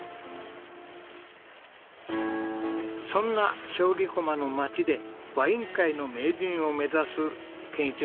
そんな将棋駒の町でワイン界の名人を目指す憲一郎さんと淑子さん。